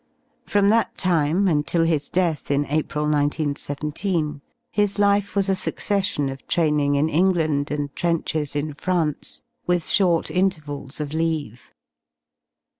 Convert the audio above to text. From that time, until his death in April 1 9 1 7, Aw life was , a succession of tramvng m England and trenches in France, \ with short intervals of leave.